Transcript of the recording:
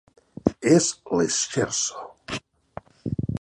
És l'scherzo.